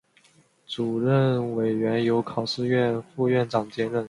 主任委员由考试院副院长兼任。